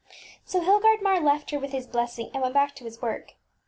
ŌĆÖ So Hildgardmar left her with his blessing, and went back to his work.